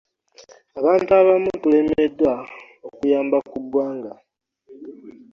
Abantu abamu tulemeddwa okuyamba ku ggwanga.